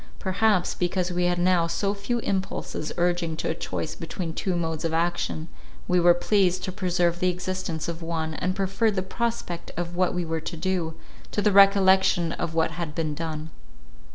Perhaps, because we had now so few impulses urging to a choice between two modes of action, we were pleased to preserve the existence of one, and preferred the prospect of what we were to do, to the recollection of what had been done.